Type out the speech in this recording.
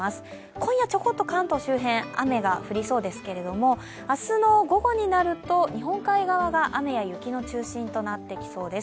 今夜、ちょこっと関東周辺、雨が降りそうですけれども明日の午後になると、日本海側が雨や雪の中心となってきそうです。